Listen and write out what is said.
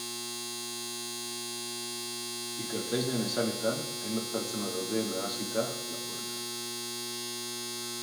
Ikertzaileen esanetan, hainbat pertsona daude nahasita lapurretan.